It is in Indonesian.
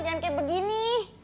jangan kayak begini